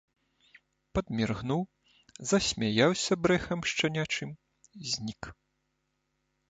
Падміргнуў, засмяяўся брэхам шчанячым, знік.